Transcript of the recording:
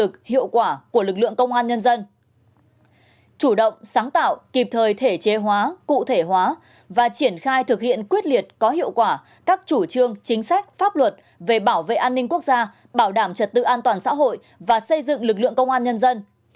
chủ động sáng tạo kịp thời thể chế hóa cụ thể hóa và triển khai thực hiện quyết liệt có hiệu quả các chủ trương chính sách pháp luật về bảo vệ an ninh quốc gia bảo đảm trật tự an toàn xã hội và xây dựng lực lượng công an nhân dân